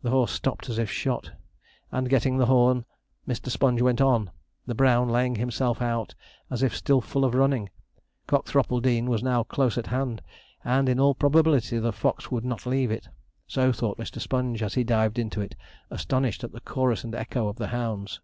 The horse stopped as if shot; and getting the horn, Mr. Sponge went on, the brown laying himself out as if still full of running. Cockthropple Dean was now close at hand, and in all probability the fox would not leave it. So thought Mr. Sponge as he dived into it, astonished at the chorus and echo of the hounds.